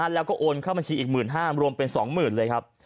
แล้วก็โอนเข้าบัญชีอีก๑๕๐๐รวมเป็น๒๐๐๐เลยครับ